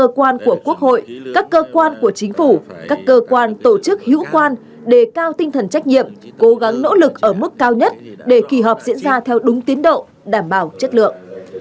cơ quan của quốc hội các cơ quan của chính phủ các cơ quan tổ chức hữu quan đề cao tinh thần trách nhiệm cố gắng nỗ lực ở mức cao nhất để kỳ họp diễn ra theo đúng tiến độ đảm bảo chất lượng